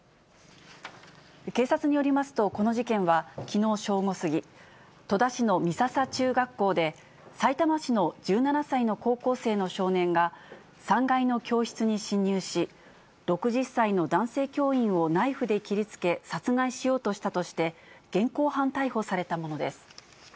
警察によりますと、この事件はきのう正午過ぎ、戸田市の美笹中学校で、さいたま市の１７歳の高校生の少年が、３階の教室に侵入し、６０歳の男性教員をナイフで切りつけ殺害しようとしたとして、現行犯逮捕されたものです。